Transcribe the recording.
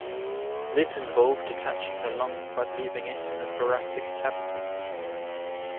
This involved detaching the lung but leaving it in the thoracic cavity.